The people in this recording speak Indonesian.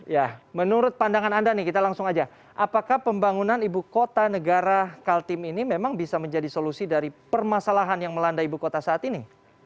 ya menurut pandangan anda nih kita langsung aja apakah pembangunan ibu kota negara kaltim ini memang bisa menjadi solusi dari permasalahan yang melanda ibu kota saat ini